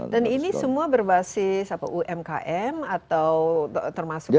dan ini semua berbasis umkm atau termasuk juga